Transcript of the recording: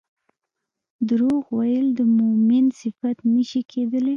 دروغ ويل د مؤمن صفت نه شي کيدلی